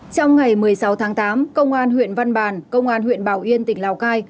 trong ngày một mươi sáu tháng tám công an huyện văn bàn công an huyện bảo yên tỉnh lào cai